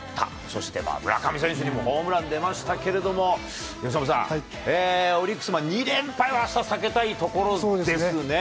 そして村上選手にもホームラン出ましたけれども、由伸さん、オリックス、２連敗はあした、避けたいところですね。